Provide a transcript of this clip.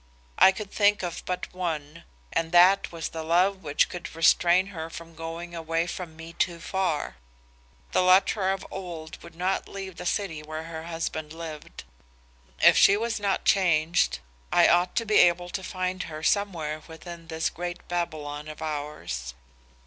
I could think of but one, and that was the love which would restrain her from going away from me too far. The Luttra of old would not leave the city where her husband lived. If she was not changed, I ought to be able to find her somewhere within this great Babylon of ours.